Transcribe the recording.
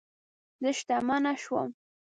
زه شتمنه شوم